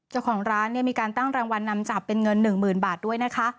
เจ้าของร้านเนี่ยมีการตั้งรางวัลนำจับเป็นเงิน๑๐๐๐บาทด้วยนะคะ